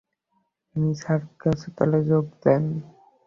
তিনি সার্কাস দলে যোগ দেন।